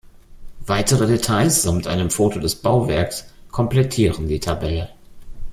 Weitere Details samt einem Foto des Bauwerks komplettieren die Tabelle.